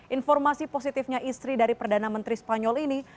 informasi positifnya istri dari perdana menteri spanyol ini